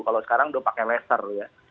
kalau sekarang udah pakai laser ya